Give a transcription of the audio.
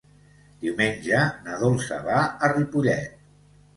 Diumenge na Dolça va a Ripollet.